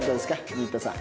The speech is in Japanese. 新田さん。